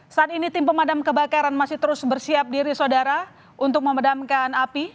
saat ini tim pemadam kebakaran masih terus bersiap diri saudara untuk memadamkan api